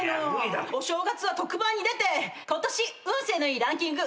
お正月は特番に出て今年運勢のいいランキング